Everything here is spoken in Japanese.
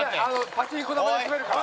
パチンコ玉で滑るから。